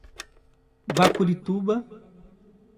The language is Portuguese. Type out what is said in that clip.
Bacurituba